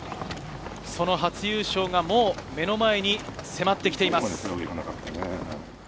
その初優勝がもう目の前に迫ってきています。